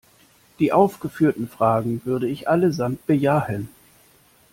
Die aufgeführten Fragen würde ich allesamt bejahen.